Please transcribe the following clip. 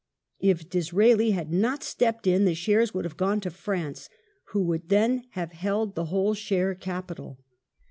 If Disraeli had not stepped in the shares would have gone to France, who would then have held the whole share capital.